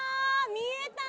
見えたー！